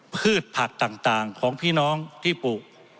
พืชผักต่างของพี่น้องที่ปลูก